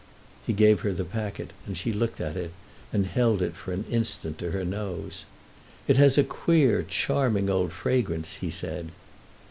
He gave her the packet, and she looked at it and held it for an instant to her nose. "It has a queer, charming old fragrance," he said.